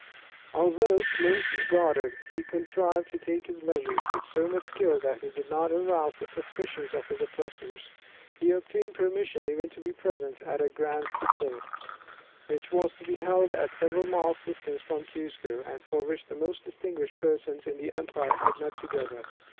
Although closely guarded, he contrived to take his measures with so much skill that he did not arouse the suspicions of his oppressors. He obtained permission even to be present at a grand fête, which was to be held at several miles' distance from Cuzco, and for which the most distinguished persons in the empire had met together.